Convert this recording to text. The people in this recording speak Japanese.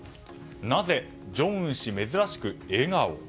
なぜ、正恩氏珍しく笑顔。